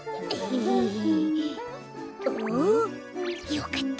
よかった。